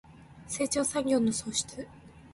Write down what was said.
成長産業の創出